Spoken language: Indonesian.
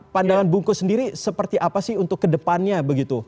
pandangan bungkus sendiri seperti apa sih untuk kedepannya begitu